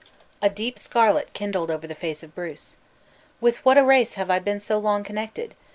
A deep scarlet kindled over the face of Bruce. "With what a race have I been so long connected!